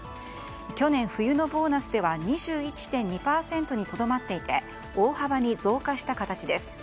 去年、冬のボーナスでは２１．２％にとどまっていて大幅に増加した形です。